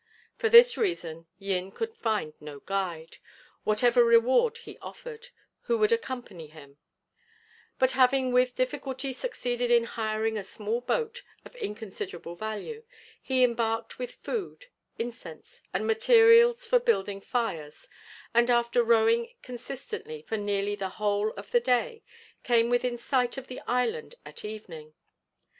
For this reason Yin could find no guide, whatever reward he offered, who would accompany him; but having with difficulty succeeded in hiring a small boat of inconsiderable value, he embarked with food, incense, and materials for building fires, and after rowing consistently for nearly the whole of the day, came within sight of the island at evening.